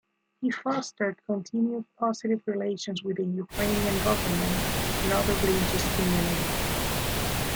He fostered continued positive relations with the Ukrainian government and other religious communities.